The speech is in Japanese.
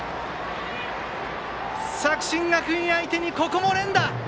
作新学院相手に、ここも連打！